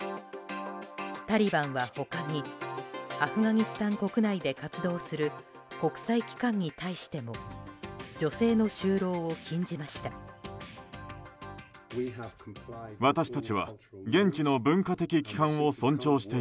タリバンは他にアフガニスタン国内で活動する国際機関に対しても女性の就労を禁じました。